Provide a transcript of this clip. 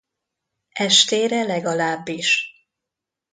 Estére legalábbis.